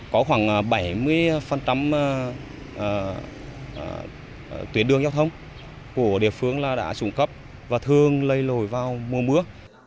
có khoảng bảy mươi tuyến đường giao thông của địa phương là đã xuống cấp và thường lây lồi vào mùa mưa